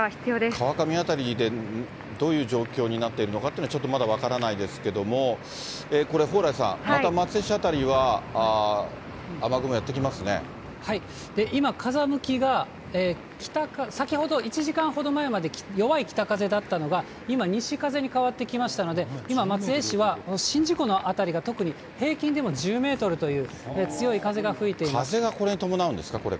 川上辺りでどういう状況になっているのかというのはちょっとまだ分からないですけれども、これ、蓬莱さん、また松江市辺りは今、風向きが先ほど１時間ほど前まで弱い北風だったのが、今、西風に変わってきましたので、今、松江市は宍道湖の辺りが特に平均でも１０メートルという、強い風風がこれに伴うんですか？